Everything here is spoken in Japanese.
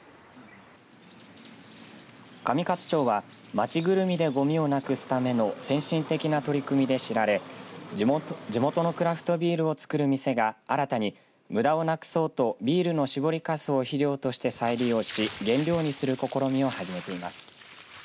上勝町はまちぐるみでごみをなくすための先進的な取り組みで知られ地元のクラフトビールをつくる店が新たに、むだをなくそうとビールの搾りかすを肥料として再利用し原料にする試みを始めています。